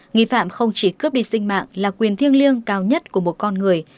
nghi phạm không chỉ cướp đi sinh mạng là quyền thiêng liêng cao nhất của một con người